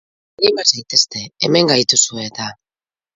Anima zaitezte, hemen gaituzue eta!